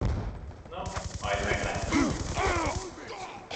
No, majd meglátjuk.